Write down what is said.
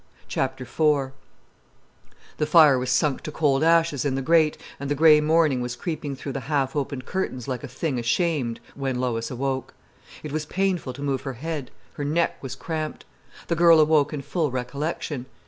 IV The fire was sunk to cold ashes in the grate, and the grey morning was creeping through the half opened curtains like a thing ashamed, when Lois awoke. It was painful to move her head: her neck was cramped. The girl awoke in full recollection.